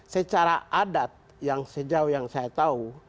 secara adat yang sejauh yang saya tahu